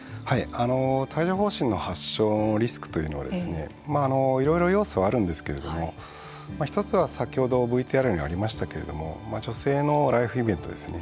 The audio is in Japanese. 帯状ほう疹の発症リスクというのはいろいろ要素はあるんですけれども１つは先ほどＶＴＲにありましたけれども女性のライフイベントですよね。